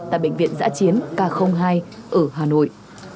tại bệnh viện giã chiến k hai ở hà nội